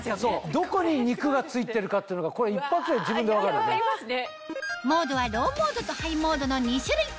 どこに肉がついてるかっていうのがこれ一発で自分で分かるよね。